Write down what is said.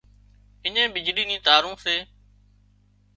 اڃين بجلي نِي تارُون سي